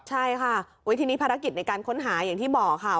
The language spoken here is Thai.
ใช่ค่ะทีนี้ภารกิจในการค้นหาอย่างที่บอกค่ะ